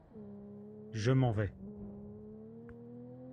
Je m’en vais.